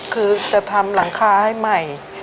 คือจะทำหลังคาให้ใหม่